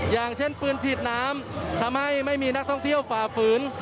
อย่างเช่นปืนฉีดน้ำทำให้ไม่มีนักท่องเที่ยวฝ่าฝืน